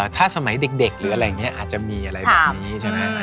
ถ้าสมัยเด็กหรืออย่างเงี้ยอาจจะมีอะไรอย่างนี้